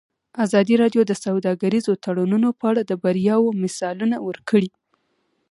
ازادي راډیو د سوداګریز تړونونه په اړه د بریاوو مثالونه ورکړي.